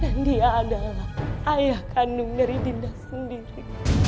dan dia adalah ayah kandung dari dinda sendiri